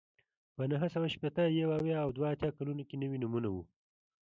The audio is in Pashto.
په نهه سوه شپېته، یو اویا او دوه اتیا کلونو کې نوي نومونه وو